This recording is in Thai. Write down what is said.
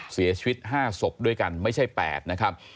เสียชีวิต๕ศพด้วยกันไม่ใช่๘นะครับ